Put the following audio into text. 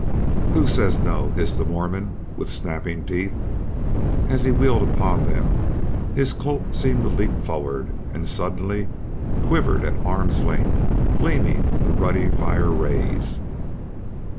"Who says no?" hissed the Mormon, with snapping teeth. As he wheeled upon them his Colt seemed to leap forward, and suddenly quivered at arm's length, gleaming in the ruddy fire rays.